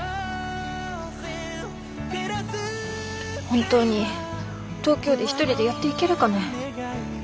本当に東京で一人でやっていけるかね。